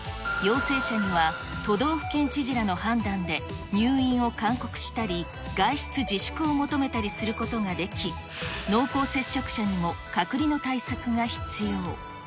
陽性者には都道府県知事らの判断で、入院を勧告したり、外出自粛を求めたりすることができ、濃厚接触者にも隔離の対策が必要。